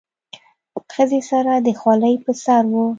ښځې سره خولۍ په سر وه.